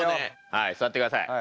はい座ってください。